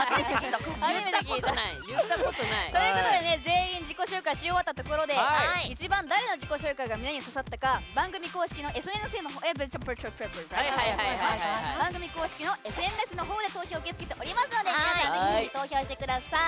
初めて聞いた。ということで全員、自己紹介をし終わったところで一番、誰の自己紹介が胸に刺さったか番組公式ＳＮＳのほうで投票を受け付けておりますので皆さん、ぜひ投票してください。